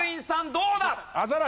どうだ？